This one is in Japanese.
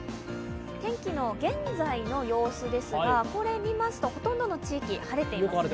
天気の現在の様子ですが、ほとんどの地域晴れていますね。